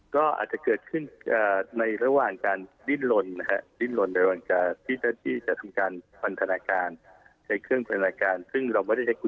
ก็อาจจะเกิดขึ้นในระหว่างการดิ้นลนนะครับ